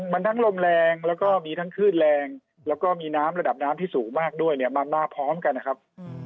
มันทั้งลมแรงแล้วก็มีทั้งคลื่นแรงแล้วก็มีน้ำระดับน้ำที่สูงมากด้วยเนี่ยมาพร้อมกันนะครับ